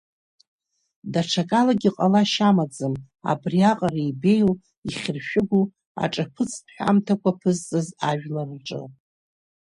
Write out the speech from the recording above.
Даҽакалагьы, ҟалашьа амаӡам абриаҟара ибеиоу, ихьыршәыгәу аҿаԥыцтә ҳәамҭақәа аԥызҵаз ажәлар рҿы.